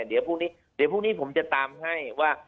เดี๋ยวพรุ่งนี้ผมจะตามให้ว่า